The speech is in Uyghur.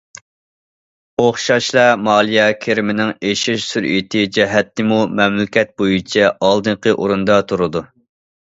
ئوخشاشلا مالىيە كىرىمىنىڭ ئېشىش سۈرئىتى جەھەتتىمۇ مەملىكەت بويىچە ئالدىنقى ئورۇندا تۇرىدۇ.